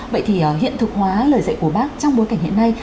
vậy thì hiện thực hóa lời dạy của bác trong bối cảnh hiện nay